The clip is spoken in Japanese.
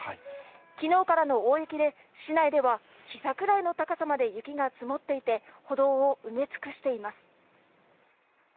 きのうからの大雪で、市内ではひざくらいの高さまで雪が積もっていて、歩道を埋め尽くしています。